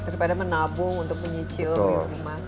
daripada menabung untuk menyicil di rumah